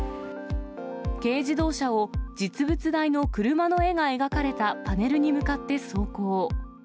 軽自動車を実物大の車の絵が描かれたパネルに向かって走行。